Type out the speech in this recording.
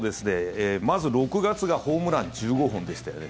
まず６月がホームラン１５本でしたよね。